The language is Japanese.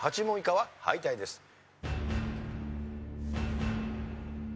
８問以下は敗退です。